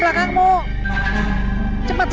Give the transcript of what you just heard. tidak ada apa apa